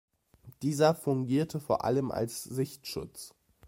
Dieser fungierte vor allem als Sichtschutz.